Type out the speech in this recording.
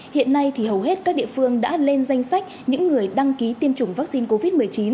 hiện nay thì hầu hết các địa phương đã lên danh sách những người đăng ký tiêm chủng vaccine covid một mươi chín